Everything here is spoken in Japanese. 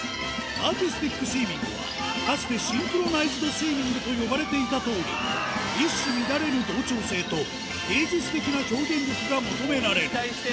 アーティスティックスイミングは、かつてシンクロナイズドスイミングと呼ばれていたとおり、一糸乱れぬ同調性と、芸術的な表現力が求められる。